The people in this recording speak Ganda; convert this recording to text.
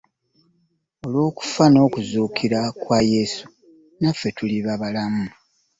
Olw'okufa n'okuzuukira kwa Yesu naffe tuliba balamu.